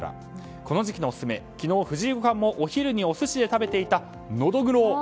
この時期のオススメは昨日、藤井五冠もお昼にお寿司で食べていたノドグロ。